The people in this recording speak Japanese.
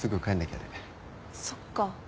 そっか。